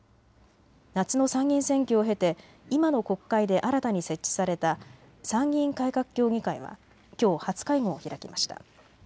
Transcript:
夏の参議院選挙を経て今の国会で新たに設置された参議院改革協議会はきょう、初会合を開きました。